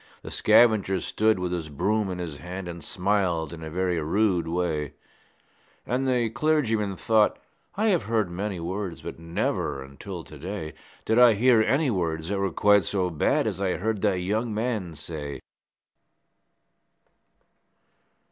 The scavenger stood with his broom in his hand, And smiled in a very rude way; And the clergyman thought, 'I have heard many words, But never, until to day, Did I hear any words that were quite so bad As I heard that young man say.'